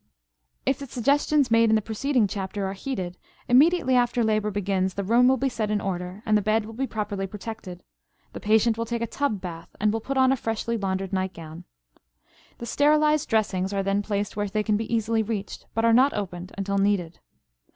If the suggestions made in the preceding chapter are heeded, immediately after labor begins the room will be set in order and the bed will be properly protected; the patient will take a tub bath and will put on a freshly laundered nightgown. The sterilized dressings are then placed where they can be easily reached, but are not opened until needed.